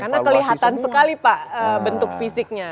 karena kelihatan sekali pak bentuk fisiknya